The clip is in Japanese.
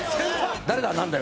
誰だ？